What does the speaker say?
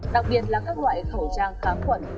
đặc biệt là các loại khẩu trang kháng khuẩn